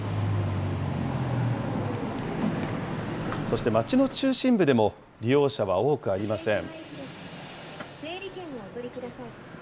そして町の中心部でも、利用者は多くありません。